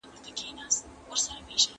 ¬ گوز په ټوخي نه تېرېږي.